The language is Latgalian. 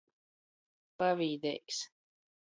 Pavīdeigs.